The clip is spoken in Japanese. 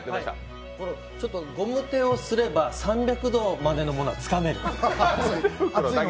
ゴム手をすれば３００度までのものはつかめる。